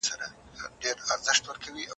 هغه زیاته کړه چي کابل د هر افغان شریک کور دی.